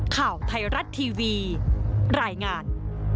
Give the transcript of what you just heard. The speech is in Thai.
ข่าวไทยรัฐทีวีรายงาน